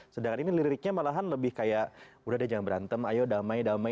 sedangkan ini liriknya malahan lebih kayak udah deh jangan berantem ayo damai damai